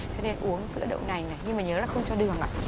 cho nên uống sữa đậu nành này nhưng mà nhớ là không cho đường ạ